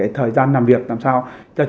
thời gian làm việc làm sao